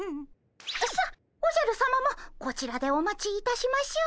さあおじゃるさまもこちらでお待ちいたしましょう。